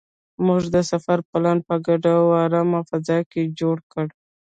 موږ د سفر پلان په ګډه او ارامه فضا کې جوړ کړ.